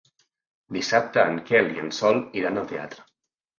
Dissabte en Quel i en Sol iran al teatre.